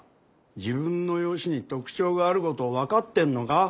自分の容姿に特徴があること分かってんのか？